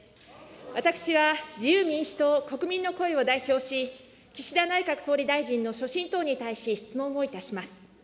私は自由民主党・国民の声を代表し、岸田内閣総理大臣の所信等に対し、質問をいたします。